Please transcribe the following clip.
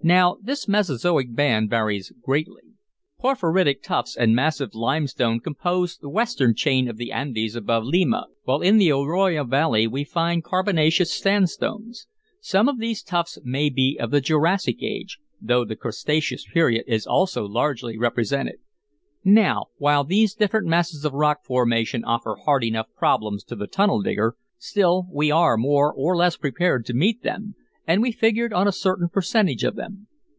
"Now this Mesozoic band varies greatly. Porphyritic tuffs and massive limestone compose the western chain of the Andes above Lima, while in the Oroya Valley we find carbonaceous sandstones. Some of the tuffs may be of the Jurassic age, though the Cretaceous period is also largely represented. "Now while these different masses of rock formation offer hard enough problems to the tunnel digger, still we are more or less prepared to meet them, and we figured on a certain percentage of them.